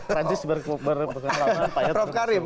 prancis berkelaman payet